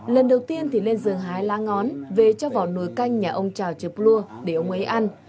lần đầu tiên thì lên giường hái lá ngón về cho vào nồi canh nhà ông trảo trợp lua để ông ấy ăn